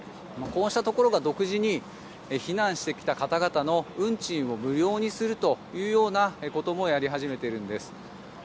こうしたところが独自に避難してきた方々の運賃を無料にするというようなこともやり始めているんです。